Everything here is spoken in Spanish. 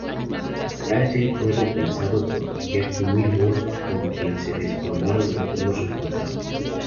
Ramsey fue reemplazado por Jackie Milburn, con quien se desplomaron los buenos resultados.